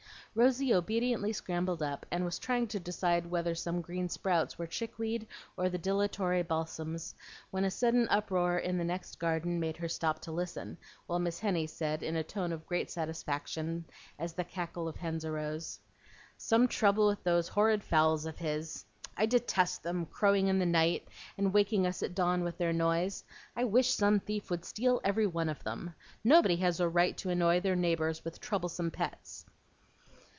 Rosy obediently scrambled up, and was trying to decide whether some green sprouts were chickweed or the dilatory balsams when a sudden uproar in the next garden made her stop to listen, while Miss Henny said in a tone of great satisfaction, as the cackle of hens arose, "Some trouble with those horrid fowls of his. I detest them, crowing in the night, and waking us at dawn with their noise. I wish some thief would steal every one of them. Nobody has a right to annoy their neighbors with troublesome pets."